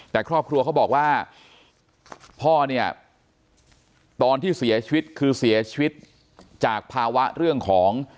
แต่ครอบครัวเขาบอกว่าพ่อเนี่ยตอนที่เสียชีวิตคือเสียชีวิตจากภาวะเรื่องของ